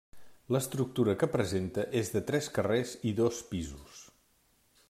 L'estructura que presenta és de tres carrers i dos pisos.